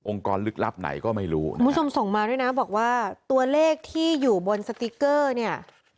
กรลึกลับไหนก็ไม่รู้นะคุณผู้ชมส่งมาด้วยนะบอกว่าตัวเลขที่อยู่บนสติ๊กเกอร์เนี่ย